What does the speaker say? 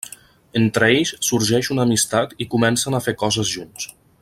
Entre ells sorgeix una amistat i comencen a fer coses junts.